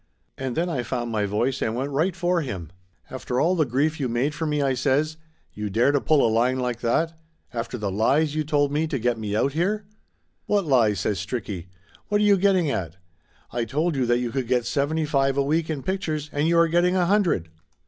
And then I found my voice and went right for him. "After all the grief you made for me," I says, "you dare to pull a line like that! After the lies you told me to get me out here!" "What lies ?" says Stricky. "What are you getting at? I told you that you could get seventy five a week in pictures, and you are getting a hundred